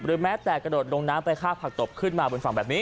แม้แต่กระโดดลงน้ำไปฆ่าผักตบขึ้นมาบนฝั่งแบบนี้